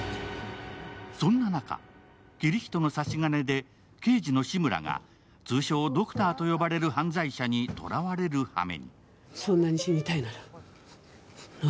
そんな中、キリヒトの差し金で刑事の志村が通称・ドクターと呼ばれる犯罪者にとらわれるはめに。